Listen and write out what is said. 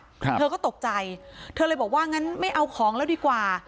ครับเธอก็ตกใจเธอเลยบอกว่างั้นไม่เอาของแล้วดีกว่า